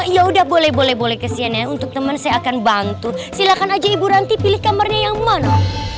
yaudah boleh boleh boleh kasihan ya untuk temen saya akan bantu silahkan aja ibu ranti pilih kamarnya yang mana